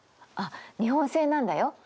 あっ日本製なんだよ。